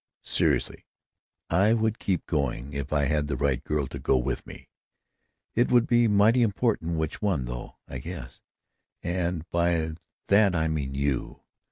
"Seriously I would keep going—if I had the right girl to go with me. It would be mighty important which one, though, I guess—and by that I mean you.